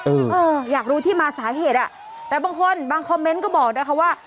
เออเอออยากรู้ที่มาสาเหตุอ่ะแต่บางคนบางคอมเมนต์ก็บอกนะคะว่า